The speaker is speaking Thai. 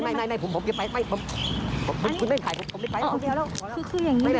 ส่วนใหญ่มันมีคงปัญหาอะไรเกิดขึ้นนะคะ